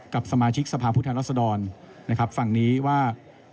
กับสมาชิกสภาพุทธแทนรัศดรฝั่งนี้ว่า